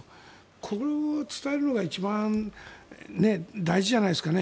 これを伝えるのが一番大事じゃないですかね。